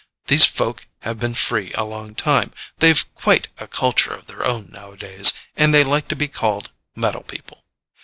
These folk have been free a long time. They've quite a culture of their own nowadays, and they like to be called 'metal people.'